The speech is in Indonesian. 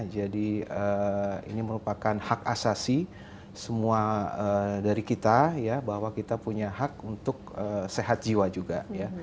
jadi ini merupakan hak asasi semua dari kita bahwa kita punya hak untuk sehat jiwa juga